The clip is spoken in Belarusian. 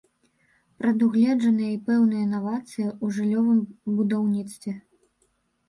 Прадугледжаныя і пэўныя навацыі ў жыллёвым будаўніцтве.